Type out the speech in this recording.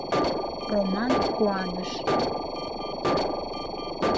Роман куаныш.